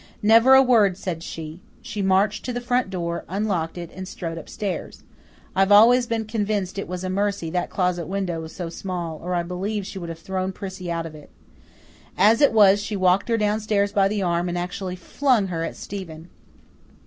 Never a word said she. She marched to the front door, unlocked it, and strode upstairs. I've always been convinced it was a mercy that closet window was so small, or I believe that she would have thrown Prissy out of it. As it was, she walked her downstairs by the arm and actually flung her at Stephen.